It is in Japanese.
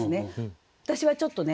私はちょっとね